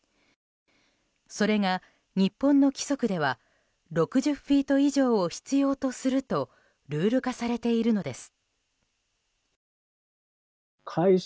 それが、日本の規則では６０フィート以上を必要とするとルール化されているのです。